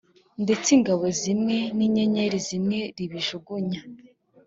ndetse ingabo zimwe n inyenyeri zimwe ribijugunya